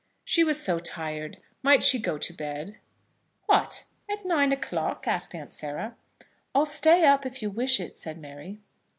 She was so tired. Might she go to bed? "What, at nine o'clock?" asked Aunt Sarah. "I'll stay up, if you wish it," said Mary.